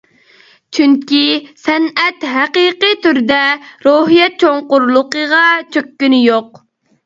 چۈنكى سەنئەت ھەقىقىي تۈردە روھىيەت چوڭقۇرلۇقىغا چۆككىنى يوق!